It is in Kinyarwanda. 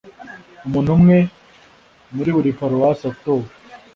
umuntu umwe muri buri paruwase atowe